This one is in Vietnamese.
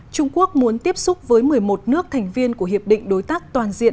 trung quốc muốn tiếp xúc với một mươi một nước thành viên của hiệp định đối tác toàn diện